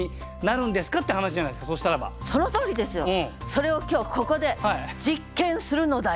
それを今日ここで実験するのだよ！